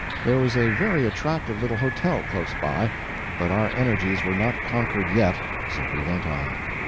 There was a very attractive little hotel close by, but our energies were not conquered yet, so we went on.